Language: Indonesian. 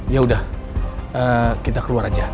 yaudah kita keluar aja